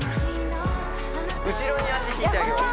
後ろに足引いてあげます